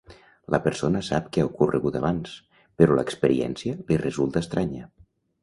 La persona sap que ha ocorregut abans, però l'experiència li resulta estranya.